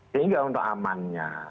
sehingga untuk amannya